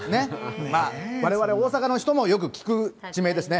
われわれ、大阪の人もよく聞く地名ですね。